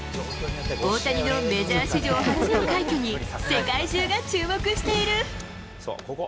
大谷のメジャー史上初の快挙に、世界中が注目している。